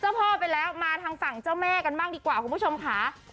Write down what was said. พ่อไปแล้วมาทางฝั่งเจ้าแม่กันบ้างดีกว่าคุณผู้ชมค่ะ